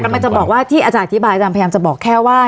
มันจะบอกว่าที่อาจารย์อธิบายอาจารย์พยายามจะบอกแค่ว่า